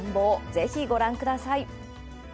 ぜひ、ご覧ください。